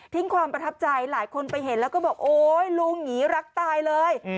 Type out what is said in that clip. ความประทับใจหลายคนไปเห็นแล้วก็บอกโอ๊ยลุงอย่างนี้รักตายเลย